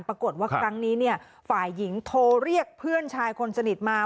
ปรากฏว่าครั้งนี้เนี่ยฝ่ายหญิงโทรเรียกเพื่อนชายคนสนิทมา